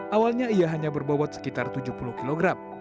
awalnya ia hanya berbobot sekitar tujuh puluh kg